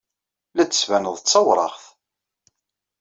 La d-tettbaneḍ d tawraɣt.